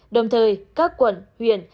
đồng thời các quận huyện